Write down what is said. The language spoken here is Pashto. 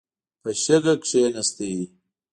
په شګه کښېناست.